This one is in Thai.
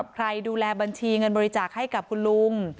ใครดูแลบัญชีเงินบริจาคให้กับคุณลุง